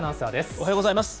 おはようございます。